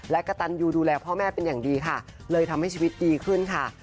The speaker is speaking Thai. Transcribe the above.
และกระตันยูดูแลพ่อแม่เป็นอย่างดีค่ะเลยทำให้ชีวิตดีขึ้นค่ะ